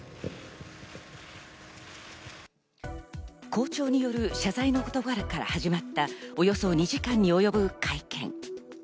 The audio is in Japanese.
校長による謝罪の言葉から始まったおよそ２時間に及ぶ会見。